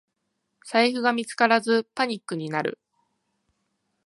財布が見つからずパニックになる